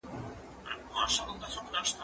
زه کتابتون ته نه ځم!؟